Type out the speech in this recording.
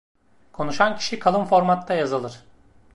Konuşan kişi kalın formatta yazılır.